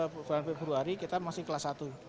bulan februari kita masih kelas satu